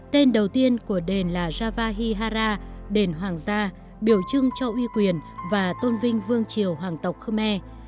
tên đầu tiên của đền là javaihara đền hoàng gia biểu trưng cho uy quyền và tôn vinh vương triều hoàng tộc khmer